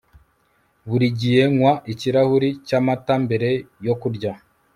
Buri gihe nywa ikirahuri cyamata mbere yo kuryama